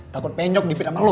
takut penyok dipit sama lo